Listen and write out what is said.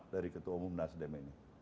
dari ketua umum nasdem ini